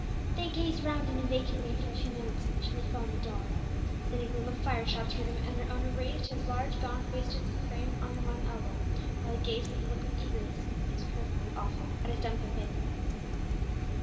They gazed round in a vacant way for a few moments, until they fell on the dog. Then a gleam of fire shot through them, and their owner raised his large, gaunt, wasted frame on one elbow, while he gazed with a look of eagerness, which was perfectly awful, at his dumb companion.